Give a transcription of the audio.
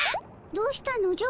どうしたのじゃ？